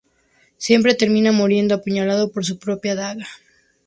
Siempre termina muriendo apuñalado por su propia daga.